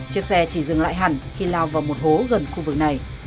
chiếc xe chỉ dừng lại hẳn khi lao vào một hố gần khu vực này